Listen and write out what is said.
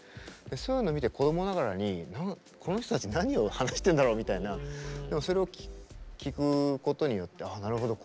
そういうのを見て子どもながらに「この人たち何を話してるんだろう」みたいなそれを聞くことによって「ああなるほど。